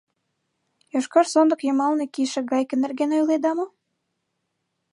— Йошкар сондык йымалне кийыше гайке нерген ойледа мо?